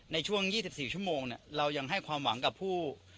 ในช่วงยี่สิบสี่ชั่วโมงเนี้ยเรายังให้ความหวังกับผู้